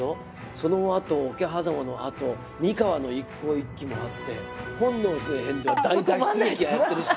その後あと桶狭間のあと三河の一向一揆もあって本能寺の変では大脱出劇はやってるし。